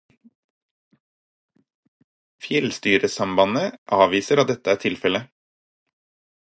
Fjellstyresambandet avviser at dette er tilfelle.